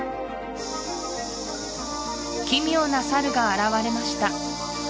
奇妙なサルが現れました